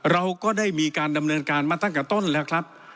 เราก็ได้มีการดำเนินการมาตั้งแต่ต้นแล้วครับ